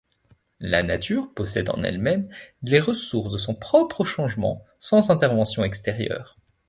La nature possède en elle-même les ressources de son propre changement, sans intervention extérieure.